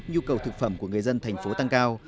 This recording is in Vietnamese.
nhu cầu thực phẩm của người dân tp hcm tăng cao